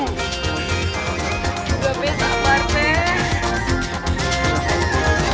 juga beh sabar beh